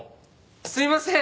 すいません！